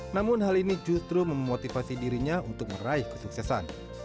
namun hal ini justru memotivasi dirinya untuk meraih kesuksesan